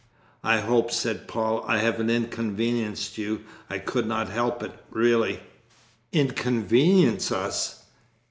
"I hope," said Paul, "I haven't inconvenienced you. I could not help it, really." "Inconvenienced us?